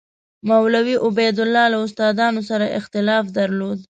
مولوي عبیدالله له استادانو سره اختلاف درلود.